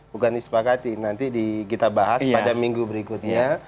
bukan disepakati nanti kita bahas pada minggu berikutnya